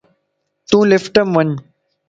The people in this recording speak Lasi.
تون لفٽم وڃ